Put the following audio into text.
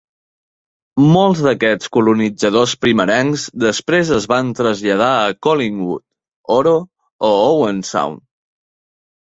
Molts d'aquests colonitzadors primerencs després es van traslladar a Collingwood, Oro o Owen Sound.